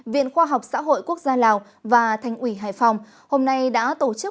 viện khoa học xã hội quốc gia lào và thành ủy hải phòng hôm nay đã tổ chức